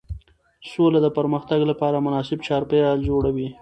سوله د پرمختګ لپاره مناسب چاپېریال جوړوي